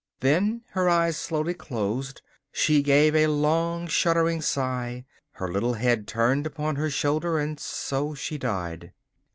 Then her eyes slowly closed, she gave a long, shuddering sigh, her little head turned upon her shoulder, and so she died.